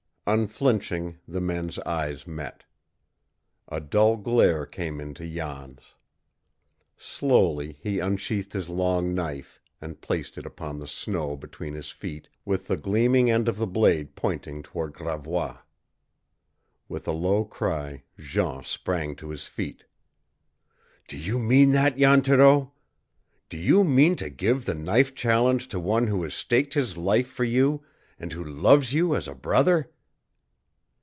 Unflinching the men's eyes met. A dull glare came into Jan's. Slowly he unsheathed his long knife, and placed it upon the snow between his feet, with the gleaming end of the blade pointing toward Gravois. With a low cry Jean sprang to his feet. "Do you mean that, Jan Thoreau? Do you mean to give the knife challenge to one who has staked his life for you and who loves you as a brother?"